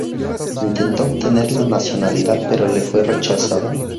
Intentó obtener la nacionalidad pero le fue rechazada.